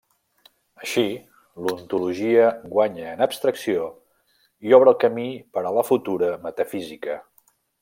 Així, l'ontologia guanya en abstracció i obre el camí per a la futura metafísica.